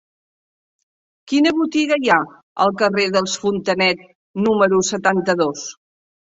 Quina botiga hi ha al carrer dels Fontanet número setanta-dos?